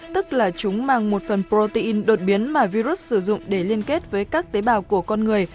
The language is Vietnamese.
tức là chúng mang một phần protein đột biến mà virus sử dụng để liên kết với các tế bào của con người